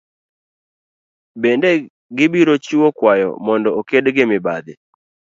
Bende gibiro chiwo kwayo mondo oked gi mibadhi